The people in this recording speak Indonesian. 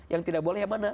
yang tidak boleh yang mana